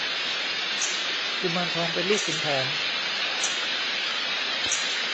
กุมารทองเป็นลูกขุนแผน